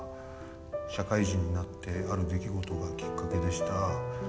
社会人になってある出来事がきっかけでした。